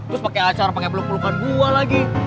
terus pake acar pake peluk pelukan gue lagi